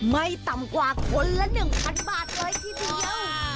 ไม่ต่ำกว่าคนละ๑๐๐๐บาทเลยทีเดียว